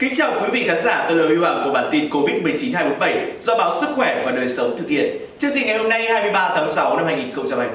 các bạn hãy đăng ký kênh để ủng hộ kênh của chúng mình nhé